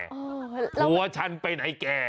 อ๋อเราผัวฉันไปไหนแก่